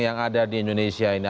yang ada di indonesia ini